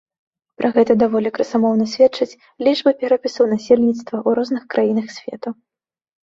Пра гэта даволі красамоўна сведчаць лічбы перапісаў насельніцтва ў розных краінах свету.